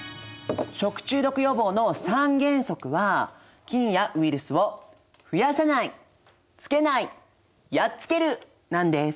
「食中毒予防の三原則」は菌やウイルスを「増やさない」「つけない」「やっつける」なんです。